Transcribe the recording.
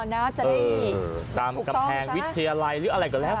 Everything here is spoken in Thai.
จะได้ตามกำแพงวิทยาลัยหรืออะไรก็แล้ว